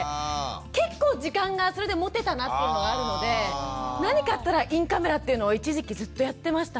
結構時間がそれで持てたなっていうのがあるので何かあったらインカメラっていうのを一時期ずっとやってましたね。